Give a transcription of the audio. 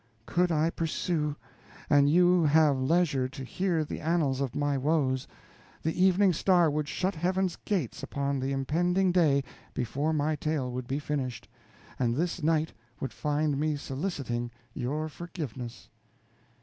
could I pursue, and you have leisure to hear the annals of my woes, the evening star would shut Heaven's gates upon the impending day before my tale would be finished, and this night would find me soliciting your forgiveness."